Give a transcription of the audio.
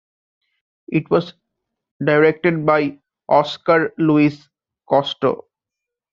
It was directed by Oscar Luis Costo.